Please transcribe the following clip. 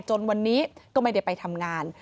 จนวันนี้ก็ไม่ได้ไปทำงาน